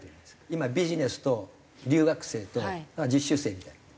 今ビジネスと留学生と実習生みたいな。